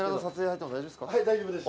・はい大丈夫です。